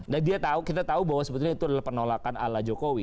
dan dia tahu kita tahu bahwa sebetulnya itu adalah penolakan ala jokowi